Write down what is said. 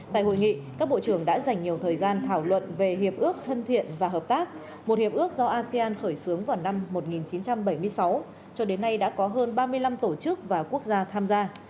tại hội nghị các bộ trưởng đã dành nhiều thời gian thảo luận về hiệp ước thân thiện và hợp tác một hiệp ước do asean khởi xướng vào năm một nghìn chín trăm bảy mươi sáu cho đến nay đã có hơn ba mươi năm tổ chức và quốc gia tham gia